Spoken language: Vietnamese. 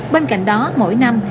bên cạnh đó mỗi năm